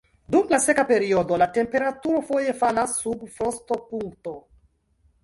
Dum la seka periodo la temperaturo foje falas sub frostopunkto.